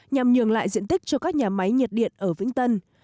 nhằm nhường lại diện tích cho các nhà máy nhiệt điện ở vĩnh tân